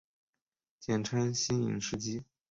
简称新影世纪。